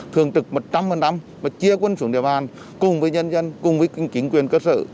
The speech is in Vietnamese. thường trực một trăm linh và chia quân xuống địa bàn cùng với nhân dân cùng với chính quyền cơ sở